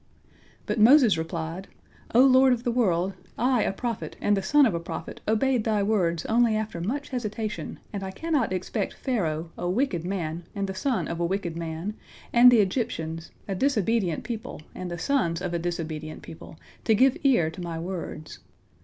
But Moses replied: "O Lord of the world, I a prophet and the son of a prophet obeyed Thy words only after much hesitation, and I cannot expect Pharaoh, a wicked man and the son of a wicked man, and the Egyptians, a disobedient people and the sons of a disobedient people, to give ear to my words.